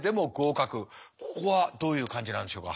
ここはどういう感じなんでしょうか。